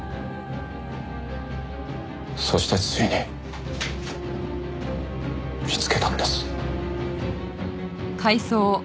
そしてついに見つけたんです。